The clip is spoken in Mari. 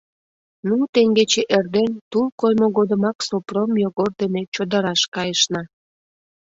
Ну, теҥгече эрден, тул коймо годымак Сопром Йогор дене чодыраш кайышна.